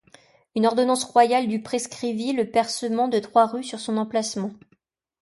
Une ordonnance royale du prescrivit le percement de trois rues sur son emplacement.